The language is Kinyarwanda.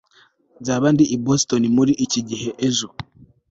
nzaba ndi i boston muri iki gihe ejo